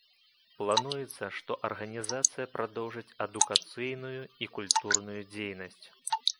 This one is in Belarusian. Плануецца, што арганізацыя прадоўжыць адукацыйную і культурную дзейнасць.